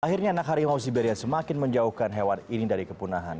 akhirnya anak harimau siberia semakin menjauhkan hewan ini dari kepunahan